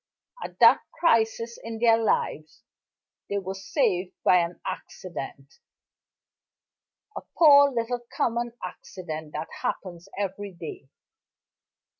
At that crisis in their lives, they were saved by an accident; a poor little common accident that happens every day.